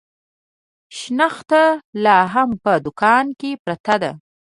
شنخته لا هم په دوکان کې پرته ده.